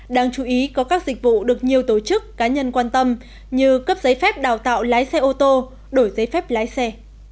đáng chú ý có các dịch vụ được nhiều tổ chức cá nhân quan tâm như cấp giấy phép đào tạo lái xe ô tô đổi giấy phép lái xe